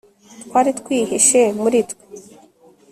Twari twihishe muri twe